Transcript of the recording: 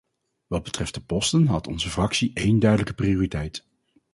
Wat betreft de posten had onze fractie één duidelijke prioriteit.